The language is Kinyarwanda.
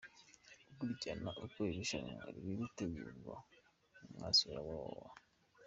Gukurikirana uko iri rushanwa riri gutegurwa, mwasura www.